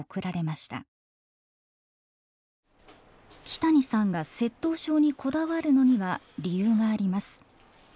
木谷さんが窃盗症にこだわるのには理由があります。